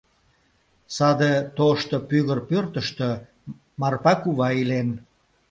Саде тошто, пӱгыр пӧртыштӧ Марпа кува илен.